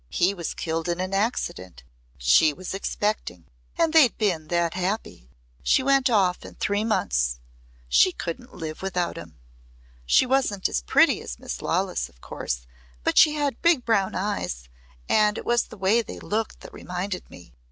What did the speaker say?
He was killed in an accident. She was expecting. And they'd been that happy. She went off in three months. She couldn't live without him. She wasn't as pretty as Miss Lawless, of course, but she had big brown eyes and it was the way they looked that reminded me.